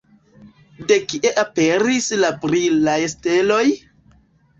De kie aperis la brilaj steloj?